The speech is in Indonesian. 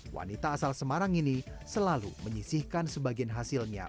wanita asal semarang ini selalu menyisihkan sebagian hasilnya